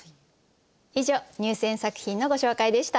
以上入選作品のご紹介でした。